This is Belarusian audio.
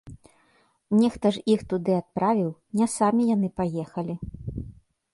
Нехта ж іх туды адправіў, не самі яны паехалі.